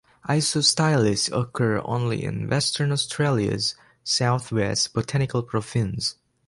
"Isostylis" occur only in Western Australia's South West Botanical Province.